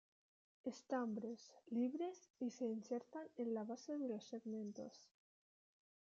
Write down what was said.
Estambres libres y se insertan en la base de los segmentos.